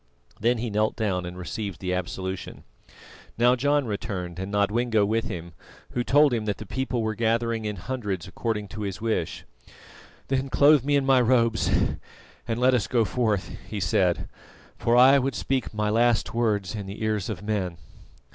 Then he knelt down and received the absolution. Now John returned and Nodwengo with him, who told him that the people were gathering in hundreds according to his wish. "Then clothe me in my robes and let us go forth," he said, "for I would speak my last words in the ears of men."